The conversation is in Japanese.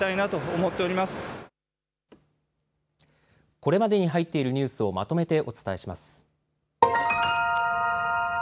これまでに入っているニュースをまとめてお伝えします。